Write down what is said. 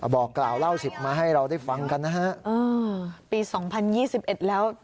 บอกกล่าวเล่าสิบมาให้เราได้ฟังกันนะฮะอ่าปีสองพันยี่สิบเอ็ดแล้ว